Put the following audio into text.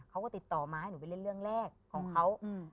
เขาก็ติดต่อมาให้หนูไปเล่นเรื่องแรกของเขา